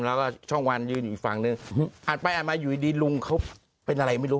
แล้วก็ช่องวันยืนอีกฝั่งนึงอ่านไปอ่านมาอยู่ดีลุงเขาเป็นอะไรไม่รู้